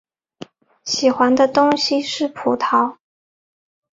喜欢的东西是葡萄。